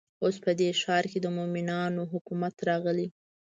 اوس په دې ښار کې د مؤمنانو حکومت راغلی.